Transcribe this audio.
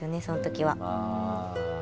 その時は。